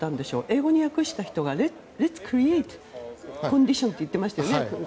英語で訳した人がレッツクリエイトコンディションズと言っていましたよね。